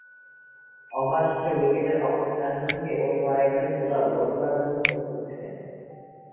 Over শেষে উইকেটের অপর প্রান্ত থেকে অন্য আরেকজন বোলার বল করার জন্য প্রস্তুত থাকেন।